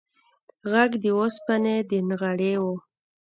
غږ د اوسپنې د غنړې و.